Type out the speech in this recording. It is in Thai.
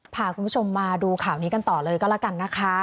พาคุณผู้ชมมาดูข่าวนี้กันต่อเลยก็แล้วกันนะคะ